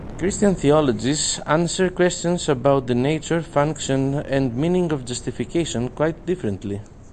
Christian theologies answer questions about the nature, function, and meaning of justification quite differently.